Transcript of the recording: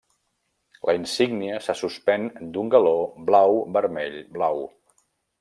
La insígnia se suspèn d'un galó blau–vermell–blau.